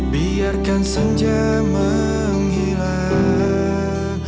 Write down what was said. biarkan senja menghilang